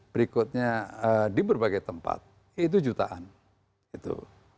berikutnya di berbagai tempat itu jutaan itu